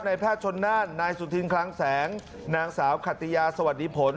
แพทย์ชนน่านนายสุธินคลังแสงนางสาวขติยาสวัสดีผล